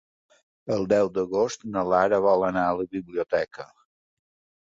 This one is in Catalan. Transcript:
El deu d'agost na Lara vol anar a la biblioteca.